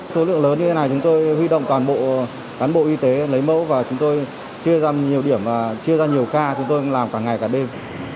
số lượng lớn như thế này chúng tôi huy động toàn bộ cán bộ y tế lấy mẫu và chúng tôi chia ra nhiều điểm và chia ra nhiều ca chúng tôi làm cả ngày cả đêm